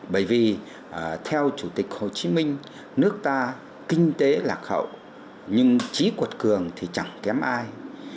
bởi vì theo chủ tịch hồ chí minh nước ta kinh tế lạc hậu nhưng trí quật cường thì chẳng kém ai